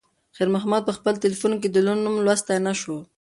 خیر محمد په خپل تلیفون کې د لور نوم لوستی نه شو.